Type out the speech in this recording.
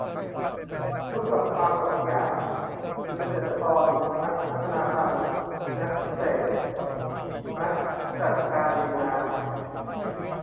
สู้กับความอดอยาก คือเกษตรกร นักพัฒนาพันธุ์ นักเศรษฐ์ นักจัดการดิน-น้ำ